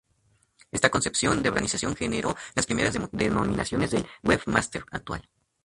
Esta concepción de organización generó las primeras denominaciones del "webmaster" actual.